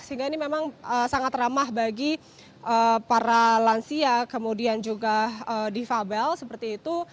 sehingga ini memang sangat ramah bagi para lansia kemudian juga difabel seperti itu